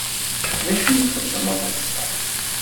D acu i txedmeḍ ass-a?